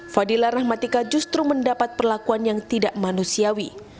fadila rahmatika justru mendapat perlakuan yang tidak manusiawi